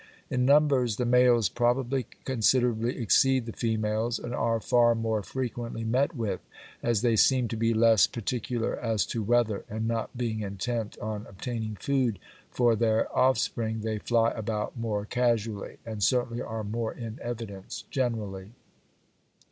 In numbers, the males probably considerably exceed the females, and are far more frequently met with, as they seem to be less particular as to weather, and not being intent on obtaining food for their offspring they fly about more casually, and certainly are more in evidence generally.